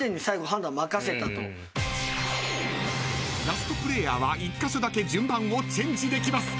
［ラストプレーヤーは１カ所だけ順番をチェンジできます］